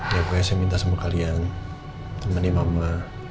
ya pokoknya saya minta sama kalian temani mama